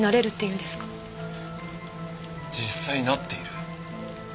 実際なっている。